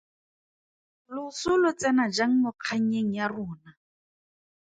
Loso lo tsena jang mo kgannyeng ya rona?